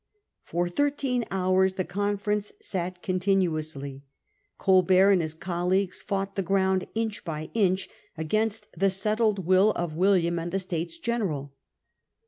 For thirteen hours the conference sat continuously. Colbert and his colleagues fought the ground inch by inch against the Peace settled will c i William and the States General.